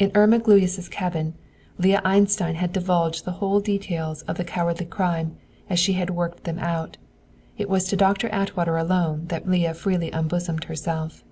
In Irma Gluyas' cabin, Leah Einstein had divulged the whole details of the cowardly crime, as she had worked them out. It was to Doctor Atwater alone that Leah freely unbosomed herself.